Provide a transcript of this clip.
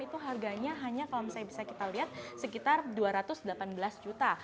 itu harganya hanya kalau misalnya bisa kita lihat sekitar dua ratus delapan belas juta